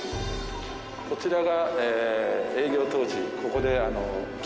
こちらが営業当時ここで。